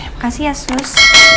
makasih ya sus